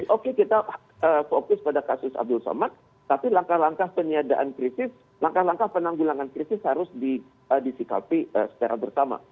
oke kita fokus pada kasus abdul somad tapi langkah langkah peniadaan krisis langkah langkah penanggulangan krisis harus disikapi secara bersama